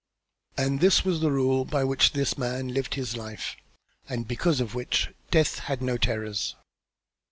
And this was the rule by which this man lived his life, and because of which death had no terrors.